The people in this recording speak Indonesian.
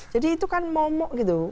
jadi itu kan momok gitu